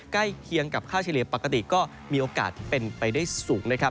ใกล้เคียงกับค่าเฉลี่ยปกติก็มีโอกาสเป็นไปได้สูงนะครับ